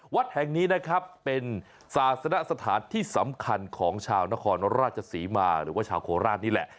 วัดแห่งนี้นะครับเป็นศาสนสถานที่สำคัญของชาวนครราชศรีมาหรือว่าชาวโคราชนี่แหละ